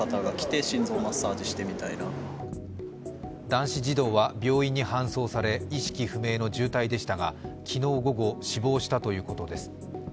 男子児童は病院に搬送され、意識不明の重体でしたが昨日午後、死亡したということです